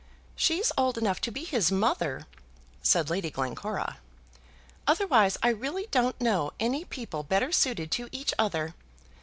"She's old enough to be his mother," said Lady Glencora, "otherwise I really don't know any people better suited to each other.